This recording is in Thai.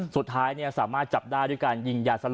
ใส่หน่อยไส่หน่อย